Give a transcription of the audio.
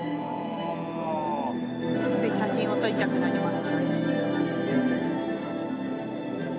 つい写真を撮りたくなりますよね。